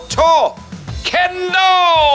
โชว์เค็นโด